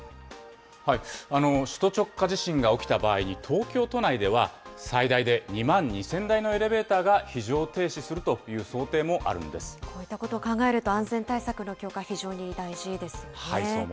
首都直下地震が起きた場合に、東京都内では最大で２万２０００台のエレベーターが非常停止するこういったことを考えると、安全対策の強化、非常に大事ですね。